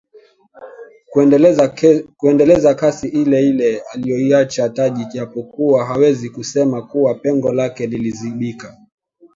Kuendeleza kasi ile ile aliyoiacha Taji japokuwa hawezi kusema kuwa pengo lake lilizibika